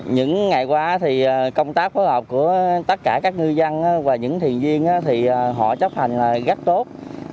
những ngày qua thì công tác phối hợp của tất cả các ngư dân và những thuyền viên họ chấp hành rất tốt